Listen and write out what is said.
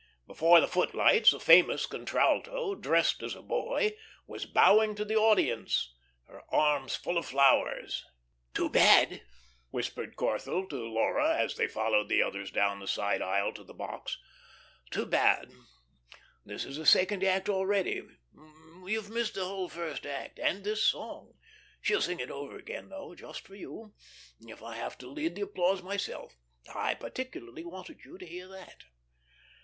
Before the footlights, a famous contralto, dressed as a boy, was bowing to the audience, her arms full of flowers. "Too bad," whispered Corthell to Laura, as they followed the others down the side aisle to the box. "Too bad, this is the second act already; you've missed the whole first act and this song. She'll sing it over again, though, just for you, if I have to lead the applause myself. I particularly wanted you to hear that."